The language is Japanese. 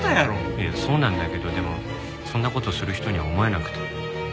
いやそうなんだけどでもそんな事をする人には思えなくて。